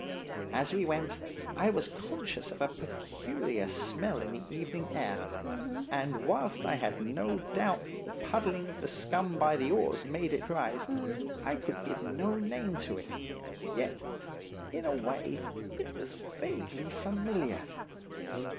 As we went, I was conscious of a peculiar smell in the evening air, and whilst I had no doubt that the puddling of the scum by the oars made it rise, I could give no name to it; yet, in a way, it was vaguely familiar.